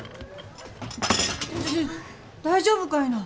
大丈夫かいな。